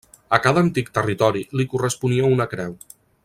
A cada antic territori li corresponia una creu.